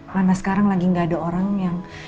karena sekarang lagi gak ada orang yang